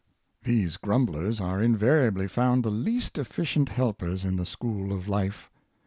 These grum blers are invariably found the least efficient helpers in the school of life.